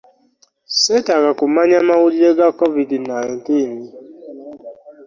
Seetaaga kumanya mawulire ga covid nineteen.